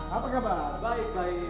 senang juga nyanyi